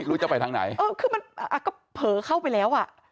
จะไปทางไหนเออคือมันก็เผลอเข้าไปแล้วอ่ะ